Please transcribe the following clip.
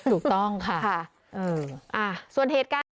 ถูกต้องค่ะส่วนเหตุการณ์นี้